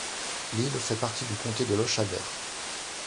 L'île fait partie du comté de Lochaber.